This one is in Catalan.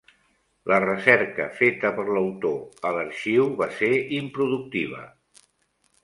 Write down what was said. La recerca feta per l'autor a l'arxiu va ser improductiva.